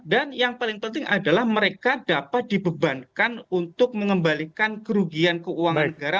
dan yang paling penting adalah mereka dapat dibebankan untuk mengembalikan kerugian keuangan negara